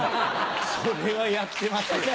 それはやってます。